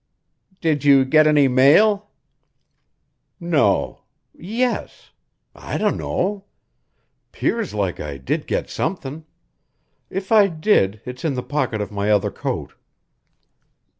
"Did you get any mail?" "No yes I dunno. 'Pears like I did get somethin'. If I did, it's in the pocket of my other coat."